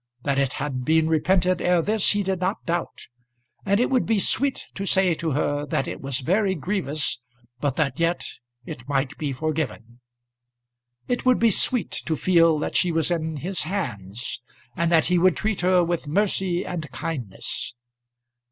That it had been repented ere this he did not doubt, and it would be sweet to say to her that it was very grievous, but that yet it might be forgiven. It would be sweet to feel that she was in his hands, and that he would treat her with mercy and kindness.